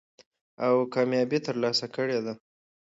او کاميابي تر لاسه کړې ده.